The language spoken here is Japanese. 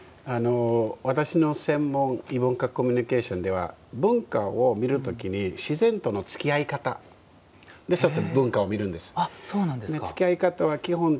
私の専門異文化コミュニケーションでは文化を見るときに自然との付き合い方一つの文化をそれで見るんです。